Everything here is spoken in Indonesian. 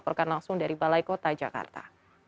dan langsung dari balai kota jakarta